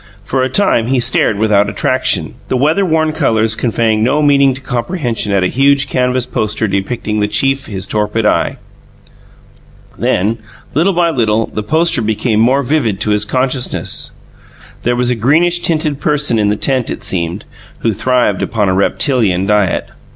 For a time he stared without attraction; the weather worn colours conveying no meaning to comprehension at a huge canvas poster depicting the chief his torpid eye. Then, little by little, the poster became more vivid to his consciousness. There was a greenish tinted person in the tent, it seemed, who thrived upon a reptilian diet.